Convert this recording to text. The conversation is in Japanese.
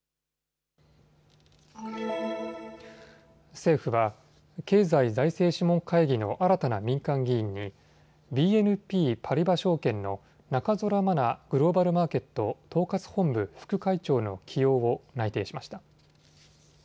政府は経済財政諮問会議の新たな民間議員にＢＮＰパリバ証券の中空麻奈グローバルマーケット統括本部副会長の起用を内定しました。